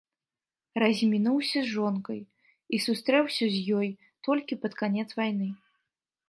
Размінуўся з жонкай і сустрэўся з ёй толькі пад канец вайны.